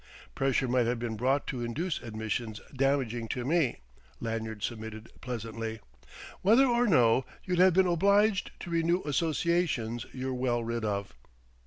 "Pressure might have been brought to induce admissions damaging to me," Lanyard submitted pleasantly. "Whether or no, you'd have been obliged to renew associations you're well rid of."